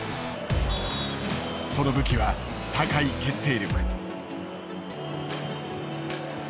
その武器は高い決定力。